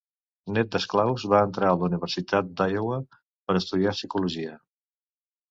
Nét d'esclaus, va entrar a la Universitat d'Iowa per estudiar psicologia.